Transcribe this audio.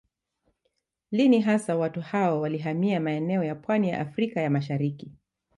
Lini hasa watu hao walihamia maeneo ya pwani ya Afrika ya Mashariki